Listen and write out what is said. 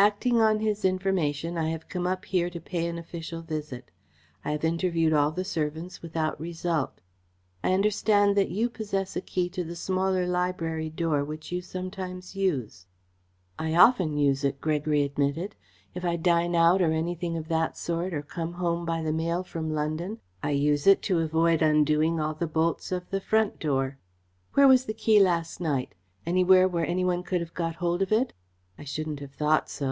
"Acting on his information, I have come up here to pay an official visit. I have interviewed all the servants without result. I understand that you possess a key to the smaller library door which you sometimes use." "I often use it," Gregory admitted. "If I dine out or anything of that sort, or come home by the mail from London, I use it to avoid undoing all the bolts of the front door." "Where was the key last night? Anywhere where any one could have got hold of it?" "I shouldn't have thought so.